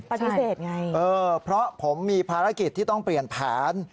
ปฏิเสธไงเออเพราะผมมีภารกิจที่ต้องเปลี่ยนแผน